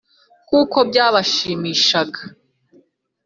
kuko byabashimishaga